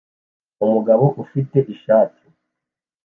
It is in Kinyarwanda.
Umugabo ufite ishati